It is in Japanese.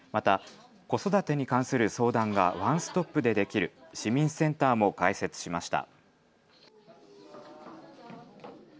また子育てに関する相談がワンストップでできる市民センターも開設しました。